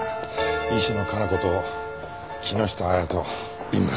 石野香奈子と木下亜矢と井村が。